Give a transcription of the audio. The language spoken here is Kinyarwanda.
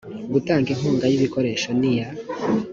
gutanga inkunga y ibikoresho n iya